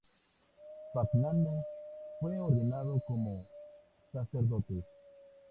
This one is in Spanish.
Fagnano fue ordenado como sacerdote.